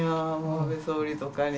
安倍総理とかに。